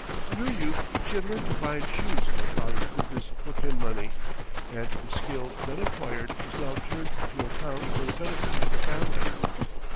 In her youth she had learned to bind shoes in her father's business for pin money, and the skill then acquired was now turned to account for the benefit of the family.